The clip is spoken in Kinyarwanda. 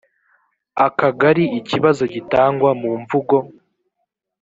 akagari ikibazo gitangwa mu mvugo